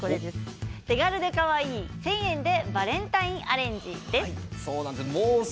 手軽でかわいい１０００円でバレンタインアレンジです。